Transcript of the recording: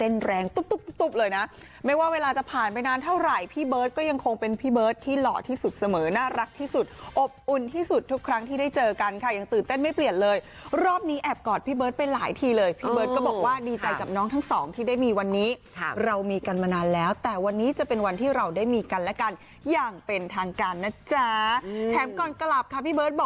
แล้วก็ยังคงเป็นพี่เบิร์ตที่หล่อที่สุดเสมอน่ารักที่สุดอบอุ่นที่สุดทุกครั้งที่ได้เจอกันค่ะยังตื่นเต้นไม่เปลี่ยนเลยรอบนี้แอบกอดพี่เบิร์ตไปหลายทีเลยพี่เบิร์ตก็บอกว่าดีใจกับน้องทั้งสองที่ได้มีวันนี้เรามีกันมานานแล้วแต่วันนี้จะเป็นวันที่เราได้มีกันแล้วกันอย่างเป็นทางการนะจ๊ะแถมก่อนกลับ